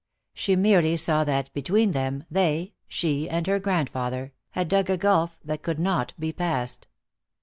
She merely saw that between them, they, she and her grandfather, had dug a gulf that could not be passed.